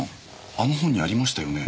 あの本にありましたよね？